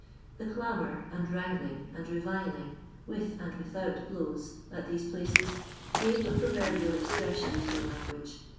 The clamour, and wrangling, and reviling, with and without blows, at these places, gave a proverbial expression to the language.